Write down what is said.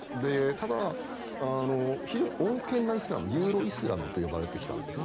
ただ、非常に穏健なイスラムユーロイスラムと呼ばれてきたんですよね。